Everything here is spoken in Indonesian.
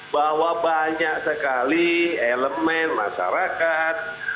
bahwa banyak sekali elemen masyarakat